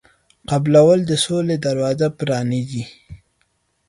قبلول د سولې دروازه پرانیزي.